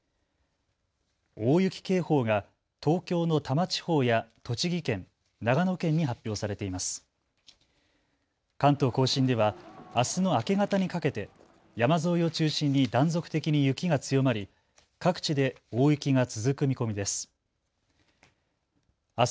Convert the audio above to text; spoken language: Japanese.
大雪警報が東京の多摩地方や栃木県、長野県に発表されています。